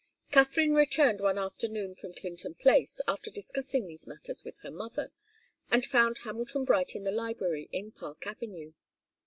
Katharine returned one afternoon from Clinton Place, after discussing these matters with her mother, and found Hamilton Bright in the library in Park Avenue.